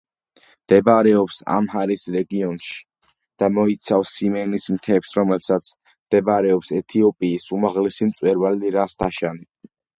მდებარეობს ამჰარის რეგიონში და მოიცავს სიმენის მთებს, რომელზეც მდებარეობს ეთიოპიის უმაღლესი მწვერვალი რას-დაშანი.